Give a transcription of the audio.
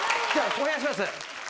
お願いします